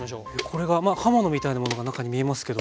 これがまあ刃物みたいなものが中に見えますけど。